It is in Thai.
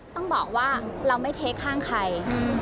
ต้องบอกว่าเราไม่เทคข้างใคร